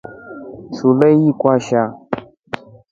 Shule ili kwasha.